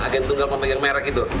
agen tunggal pemegang merek itu